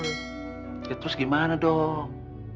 ya terus gimana dong